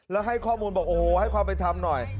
แล้วให้ข้อมูลบอกโอ้โหให้ความเป็นธรรมหน่อย